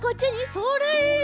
それ！